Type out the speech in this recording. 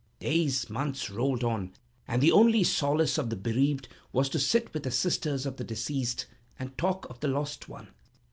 "Days, months, rolled on, and the only solace of the bereaved was to sit with the sisters of the deceased, and talk of the lost one.